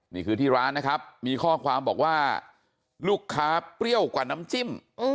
นี่คือที่ร้านนะครับมีข้อความบอกว่าลูกค้าเปรี้ยวกว่าน้ำจิ้ม